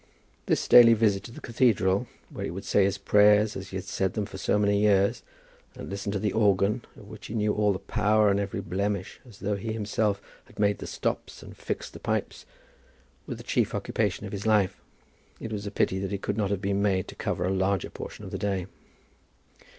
This daily visit to the cathedral, where he would say his prayers as he had said them for so many years, and listen to the organ, of which he knew all the power and every blemish as though he himself had made the stops and fixed the pipes, was the chief occupation of his life. It was a pity that it could not have been made to cover a larger portion of the day.